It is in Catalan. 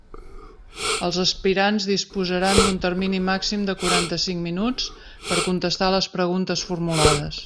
Els aspirants disposaran d'un termini màxim de quaranta-cinc minuts per contestar les preguntes formulades.